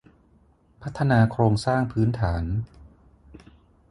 พัฒนาโครงสร้างพื้นฐาน